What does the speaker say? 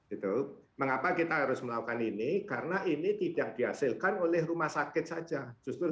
itu mengapa kita harus melakukan ini karena ini tidak dihasilkan oleh rumah sakit saja justru